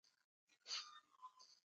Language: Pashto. هغې وویل چې پښتانه په هر ځای کې وروڼه دي.